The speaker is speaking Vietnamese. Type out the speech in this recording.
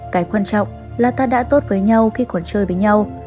cái quan trọng là ta đã tốt với nhau khi còn chơi với nhau